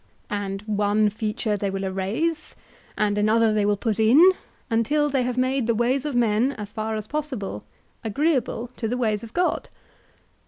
And one feature they will erase, and another they will put in, until they have made the ways of men, as far as possible, agreeable to the ways of God?